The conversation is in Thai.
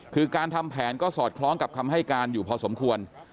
คือการทำแผนก็สอดคล้องกับคำให้การอยู่พอสมควร